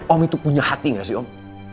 om itu punya hati gak sih om